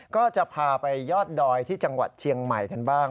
ก็จะพาไปยอดดอยที่จังหวัดเชียงใหม่กันบ้าง